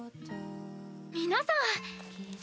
皆さん。